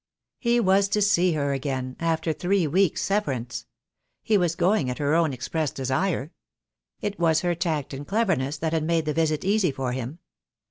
He was to see her again — after three weeks' severance. He was going at her own express desire. It was her tact and cleverness that had made the visit easy for him.